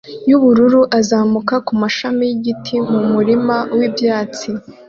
yubururu azamuka kumashami yigiti mumurima wibyatsi